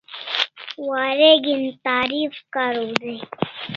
Wareg'in tarif kariu dai